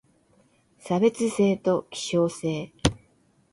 差別性と希少性